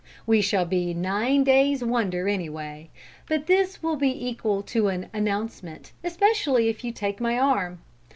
We shall be a nine days' wonder anyway, but this will be equal to an announcement, especially if you take my arm.